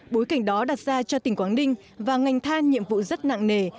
bối cảnh đó đặt ra cho tỉnh quảng ninh và ngành than nhiệm vụ rất nặng nề